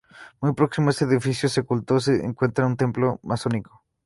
Muy próximo a este edificio de culto se encuentra un templo masónico.